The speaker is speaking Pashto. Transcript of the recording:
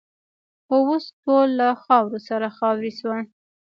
خو اوس ټول له خاورو سره خاوروې شول.